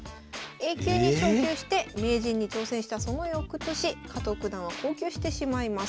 Ａ級に昇級してええ⁉名人に挑戦したそのよくとし加藤九段は降級してしまいます。